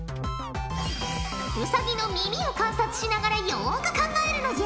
ウサギの耳を観察しながらよく考えるのじゃ。